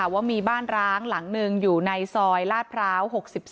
ว่ามีบ้านร้างหลังหนึ่งอยู่ในซอยลาดพร้าว๖๒